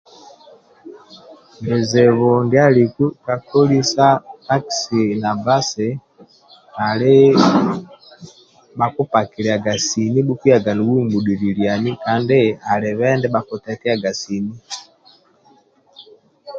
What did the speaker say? Bizibu ndia aliku ka kolisa takisi na basi ali bhakupakiliaga sini bhukuyaga nibhumudhililiani kandi alibe ndibha bhakitetiaga sini